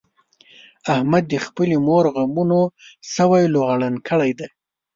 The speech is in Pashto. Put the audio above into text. احمد د خپلې مور غمونو سوی لوغړن کړی دی.